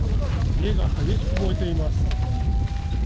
家が激しく燃えています。